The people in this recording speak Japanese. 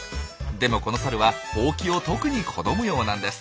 でもこのサルはホウキを特に好むようなんです。